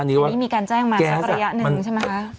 อันนี้ก็ว่าอันนี้มีการแจ้งมาสักระยะหนึ่งใช่ไหมฮะ